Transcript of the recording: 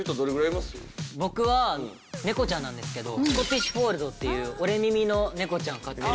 僕は猫ちゃんなんですけどスコティッシュ・フォールドっていう折れ耳の猫ちゃん飼ってて。